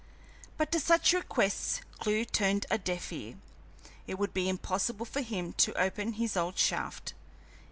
But to such requests Clewe turned a deaf ear. It would be impossible for him to open his old shaft.